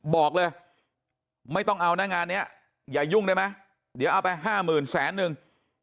บอกเลยไม่ต้องเอานะงานนี้อย่ายุ่งได้ไหมเดี๋ยวเอาไปห้าหมื่นแสนนึง